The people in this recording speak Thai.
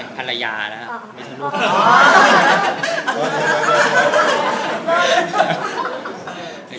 พันรัยาล่ะ